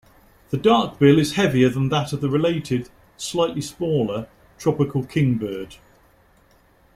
The dark bill is heavier than that of the related, slightly smaller, tropical kingbird.